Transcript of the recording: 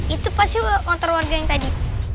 itu pasti motor warga yang tadi